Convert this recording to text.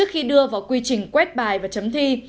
khi đưa vào quy trình quét bài và chấm thi